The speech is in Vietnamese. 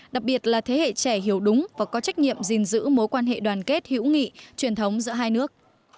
đặc biệt là thế hệ trẻ hiểu đúng và có trách nhiệm gìn giữ mối quan hệ đoàn kết hữu nghị truyền thống giữa hai nước